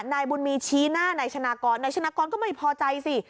นายบุญมีชี้หน้านายชนะกรนายชนะกรก็ไม่พอใจสิ